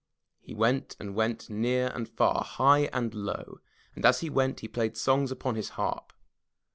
He went and went near and far, high and low, and as he went, he played songs upon his harp.